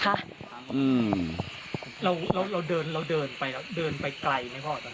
เราเดินไปแล้วเดินไปไกลไหมพ่อ